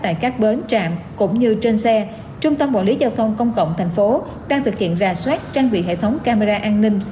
tại các bến trạm cũng như trên xe trung tâm quản lý giao thông công cộng tp hcm đang thực hiện ra soát trang vị hệ thống camera an ninh